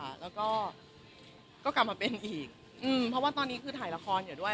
แล้วก็ก็กลับมาเป็นอีกอืมเพราะว่าตอนนี้คือถ่ายละครอยู่ด้วย